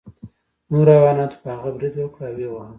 نورو حیواناتو په هغه برید وکړ او ویې واهه.